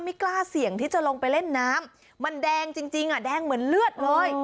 ไม่กล้าเสี่ยงที่จะลงไปเล่นน้ำมันแดงจริงอ่ะแดงเหมือนเลือดเลย